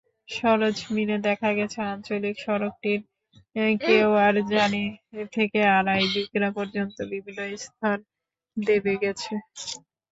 সরেজমিনে দেখা গেছে, আঞ্চলিক সড়কটির কেওয়ারজানি থেকে ভাড়াই-ভিকরা পর্যন্ত বিভিন্ন স্থান দেবে গেছে।